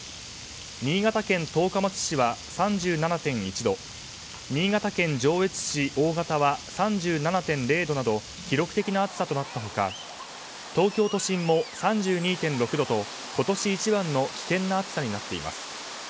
新潟県十日町市は３７．１度新潟県上越市大潟は３７．０度など記録的な暑さになった他東京都心も３２．６度と今年一番の危険な暑さになっています。